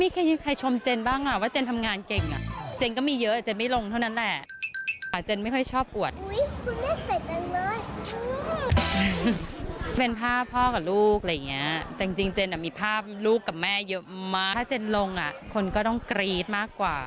ต้องชมเจนนี่ว่าลูกติดแม่มากกว่า